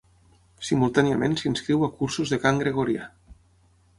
Simultàniament s'inscriu a cursos de cant gregorià.